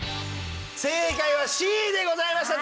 正解はＣでございました。